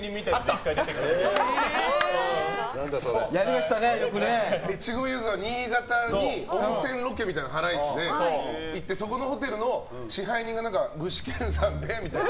新潟の越後湯沢に温泉ロケみたいなのハライチで行ってそこのホテルの支配人が具志堅さんでみたいな。